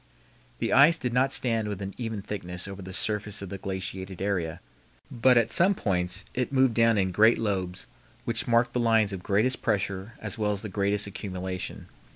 The ice did not stand with an even thickness over the surface of the glaciated area, but at some points it moved down in great lobes, which marked the lines of greatest pressure as well as the greatest accumulation.